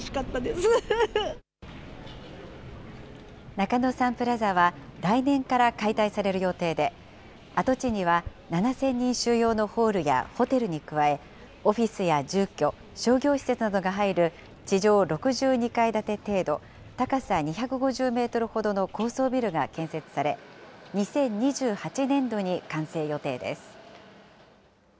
中野サンプラザは、来年から解体される予定で、跡地には７０００人収容のホールやホテルに加え、オフィスや住居、商業施設などが入る地上６２階建て程度、高さ２５０メートルほどの高層ビルが建設され、２０２８年度に完成予定です。